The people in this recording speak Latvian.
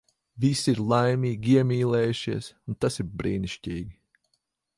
Visi ir laimīgi, iemīlējušies. Un tas ir brīnišķīgi.